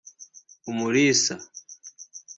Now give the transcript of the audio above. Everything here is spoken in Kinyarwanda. Umulisa